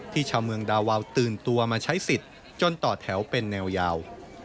ชาวเมืองดาวาวตื่นตัวมาใช้สิทธิ์จนต่อแถวเป็นแนวยาว